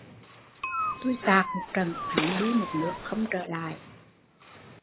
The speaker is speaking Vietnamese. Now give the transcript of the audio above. Tui xạc một trận hắn đi một nước không trở lại